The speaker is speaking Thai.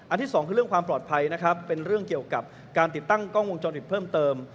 ที่สองคือเรื่องความปลอดภัยนะครับเป็นเรื่องเกี่ยวกับการติดตั้งกล้องวงจรปิดเพิ่มเติม